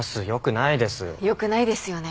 良くないですよね。